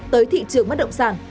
tới thị trường bắt động sản